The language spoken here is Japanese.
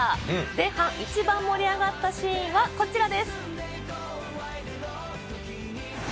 前半、一番盛り上がったシーンはこちらです。